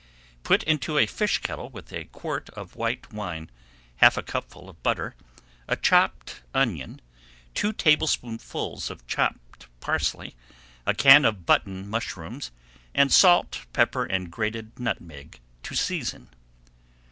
Put into a fish kettle with a quart of white wine, half a cupful of butter, a chopped onion, two tablespoonfuls of chopped parsley, a can of button mushrooms, and salt, pepper, and grated nutmeg to season.